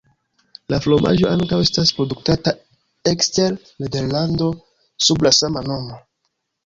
La fromaĝo ankaŭ estas produktata ekster Nederlando sub la sama nomo.